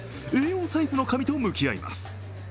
Ａ４サイズの紙と向き合います。